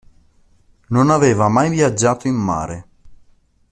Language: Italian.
Non aveva mai viaggiato in mare.